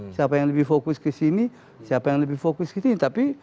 siapa yang lebih fokus ke sini siapa yang lebih fokus ke sini